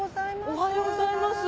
おはようございます。